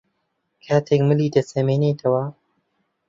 کاتێک ملی دەچەمێنێتەوە